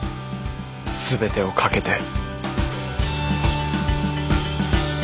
全てを懸けて